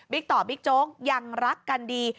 ต่อบิ๊กโจ๊กยังรักกันดี